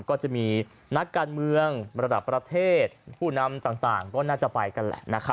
ก็จะมีนักการเมืองระดับประเทศผู้นำต่างก็น่าจะไปกันแหละนะครับ